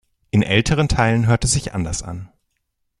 In älteren Teilen hörte sie sich anders an.